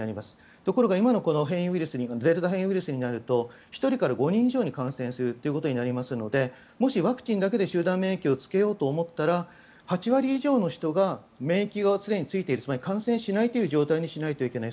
ところが今のデルタ変異ウイルスになると１人から５人以上に感染するということになりますのでもしワクチンだけで集団免疫をつけようと思ったら８割以上の人が免疫が常についているつまり感染しないという状況にしなければいけない。